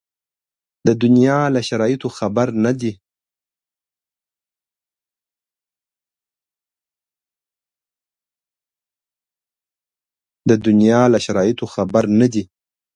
د دنیا له شرایطو خبر نه دي.